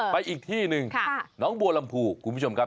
ไปอีกที่หนึ่งน้องบัวลำพูคุณผู้ชมครับ